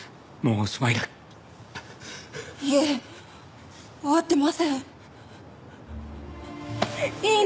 いえ終わってません。